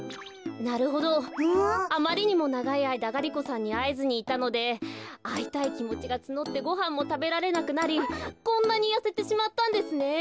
なるほどあまりにもながいあいだガリ子さんにあえずにいたのであいたいきもちがつのってごはんもたべられなくなりこんなにやせてしまったんですね。